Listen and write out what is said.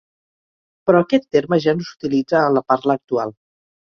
Però aquest terme ja no s'utilitza en la parla actual.